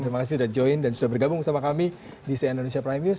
terima kasih sudah join dan sudah bergabung bersama kami di cnn indonesia prime news